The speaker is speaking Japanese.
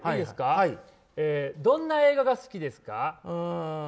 どんな映画が好きですか？